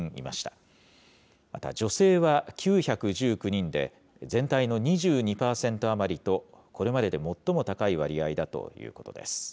また女性は９１９人で、全体の２２％余りと、これまでで最も高い割合だということです。